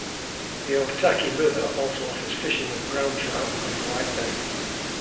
The Otaki River also offers fishing of brown trout and white bait.